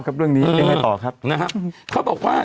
เขาบอกว่า